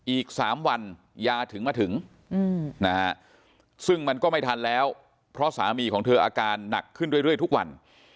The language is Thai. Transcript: อีก๓วันยาถึงมาถึงนะฮะซึ่งมันก็ไม่ทันแล้วเพราะสามีของเธออาการหนักขึ้นเรื่อยทุกวัน